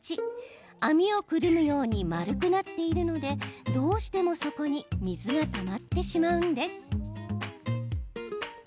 網をくるむように丸くなっているのでどうしても底に水がたまってしまうんです。